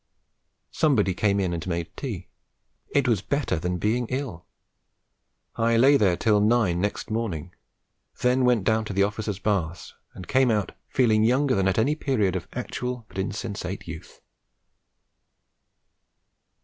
Somebody came in and made tea. It was better than being ill. I lay there till nine next morning; then went down to the Officers' Baths, and came out feeling younger than at any period of actual but insensate youth.